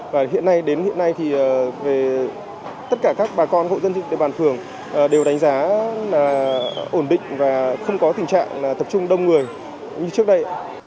và hiện nay đến hiện nay thì về tất cả các bà con hộ dân trên địa bàn phường đều đánh giá là ổn định và không có tình trạng là tập trung đông người như trước đây